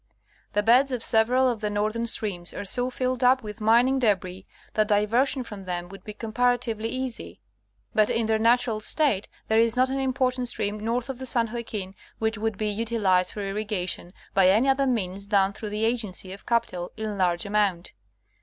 The beds of several of the northern streams are so filled up with mining debris that diversion from them would be comparatively easy, but in their natural state there is not an important stream north of the San Joaquin which could be utilized for irrigation by any other means than through the agency of capital in large amount.